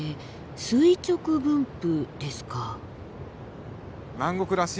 垂直分布ですか。